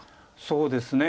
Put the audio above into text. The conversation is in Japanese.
そうですね。